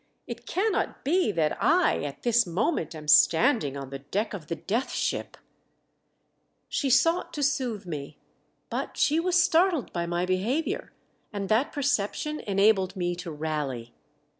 It cannot be that I at this moment am standing on the deck of the Death Ship !" She sought to soothe me, but she was startled by my behaviour, and that perception enabled me to rally.